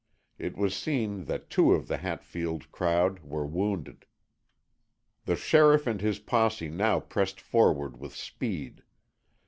It was seen that two of the Hatfield crowd were wounded. The sheriff and his posse now pressed forward with speed.